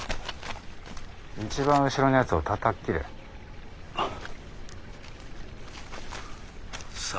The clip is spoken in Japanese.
一番後ろのやつをたたっ斬れ。